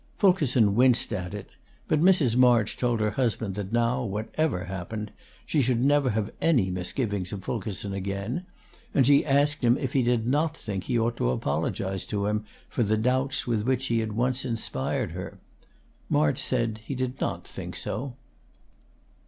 Fulkerson winced at it; but Mrs. March told her husband that now, whatever happened, she should never have any misgivings of Fulkerson again; and she asked him if he did not think he ought to apologize to him for the doubts with which he had once inspired her. March said that he did not think so.